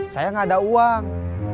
saya gak ada uang